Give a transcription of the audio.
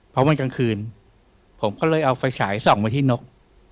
เพราะมันกลางคืนผมก็เลยเอาไฟฉายส่องไว้ที่นก